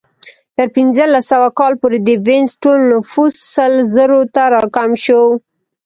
تر پنځلس سوه کال پورې د وینز ټول نفوس سل زرو ته راکم شو